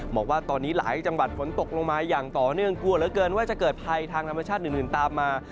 บอกว่าตอนนี้หลายจังหวัดฝนตกลงมาอย่างต่อเนื่องกลัวเหลือเกินว่าจะเกิดภัยทางธรรมชาติอื่นตามมา